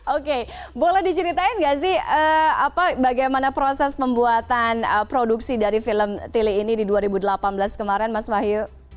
oke boleh diceritain nggak sih bagaimana proses pembuatan produksi dari film tili ini di dua ribu delapan belas kemarin mas wahyu